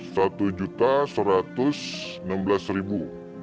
satu juta seratus enam belas ribu